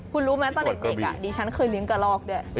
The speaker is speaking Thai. คุณรู้ไหมตอนเด็กดิฉันเคยเลี้ยงกระลอกด้วย